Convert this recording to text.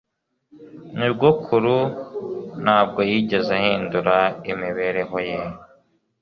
Nyogokuru ntabwo yigeze ahindura imibereho ye.